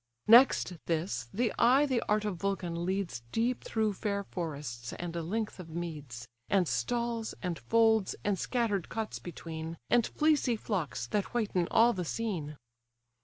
Next this, the eye the art of Vulcan leads Deep through fair forests, and a length of meads, And stalls, and folds, and scatter'd cots between; And fleecy flocks, that whiten all the scene.